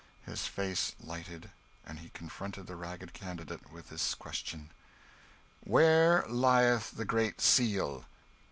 His face lighted, and he confronted the ragged candidate with this question "Where lieth the Great Seal?